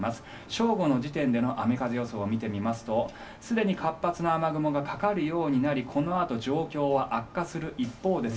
正午の時点での雨風予想を見てみますとすでに活発な雨雲がかかるようになりこのあと状況は悪化する一方です。